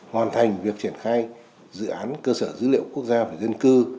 hoàn thành việc triển khai dự án cơ sở dữ liệu quốc gia về dân cư